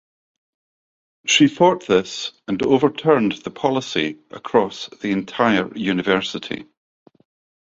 She fought this and overturned the policy across the entire university.